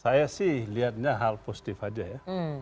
saya sih lihatnya hal positif aja ya